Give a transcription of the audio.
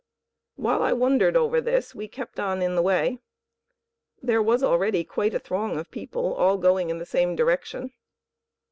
While I wondered over this, we kept on in the way. There was already quite a throng of people all going in the same direction.